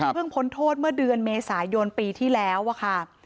พ้นโทษเมื่อเดือนเมษายนปีที่แล้วอะค่ะ